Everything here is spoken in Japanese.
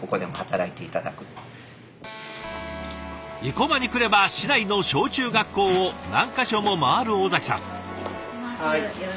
生駒に来れば市内の小中学校を何か所も回る尾崎さん。